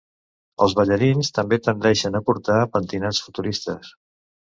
Els ballarins també tendeixen a portar pentinats futuristes.